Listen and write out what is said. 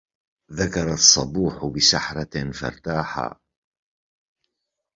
ذكر الصبوح بسحرة فارتاحا